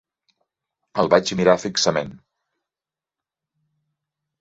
El vaig mirar fixament.